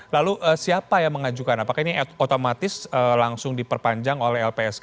lalu siapa yang mengajukan apakah ini otomatis langsung diperpanjang oleh lpsk